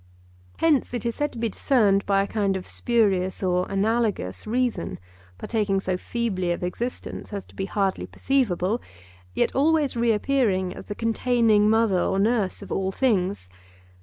Hence it is said to be discerned by a kind of spurious or analogous reason, partaking so feebly of existence as to be hardly perceivable, yet always reappearing as the containing mother or nurse of all things.